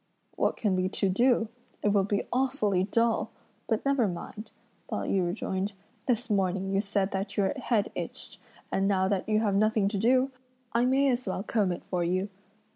"What can we two do? it will be awfully dull! but never mind," Pao yü rejoined; "this morning you said that your head itched, and now that you have nothing to do, I may as well comb it for you."